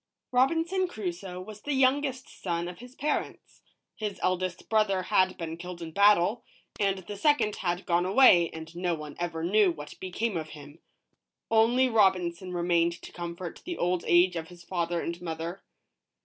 ROBINSON CRUSOE was the youngest son of his parents. His eldest brother had been killed in battle, and the second had gone away and no one ever knew what became of him ; only Robinson remained to comfort the old age of his father and mother.